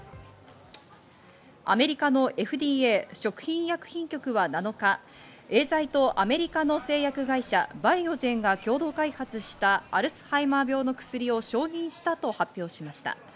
アメリカのＦＤＡ＝食品医薬品局は７日、エーザイとアメリカの製薬会社バイオジェンが共同開発したアルツハイマー病の薬を承認したと発表しました。